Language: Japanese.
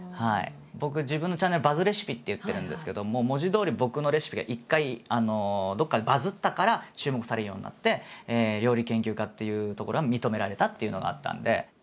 僕自分のチャンネル「バズレシピ」って言ってるんですけども文字どおり僕のレシピが一回どこかでバズったから注目されるようになって料理研究家っていうところは認められたっていうのがあったんで。